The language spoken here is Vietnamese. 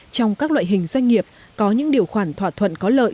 trong các loại hình doanh nghiệp có những điều khoản thỏa thuận có lợi